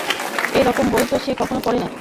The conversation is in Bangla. এইরকম বই তো সে কখনও পড়ে নাই!